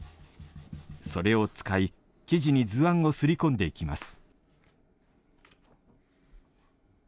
それを使い、生地に図案を刷り込んでいきます。